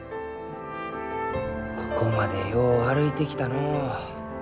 ここまでよう歩いてきたのう。